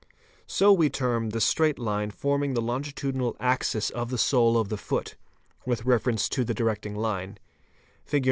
So we term the straight line forming the longitudinal axis of the sole of the foot, with reference to the directing line, Fig.